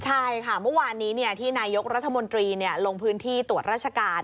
ใช่ค่ะเมื่อวานนี้ที่นายกรัฐมนตรีลงพื้นที่ตรวจราชการ